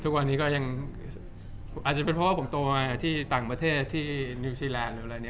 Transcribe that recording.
ทุกวันนี้ก็ยังอาจจะเป็นเพราะว่าผมโตมาที่ต่างประเทศที่นิวซีแลนด์หรืออะไร